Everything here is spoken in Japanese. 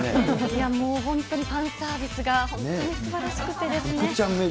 いやもう本当に、ファンサービスが本当にすばらしくてですね。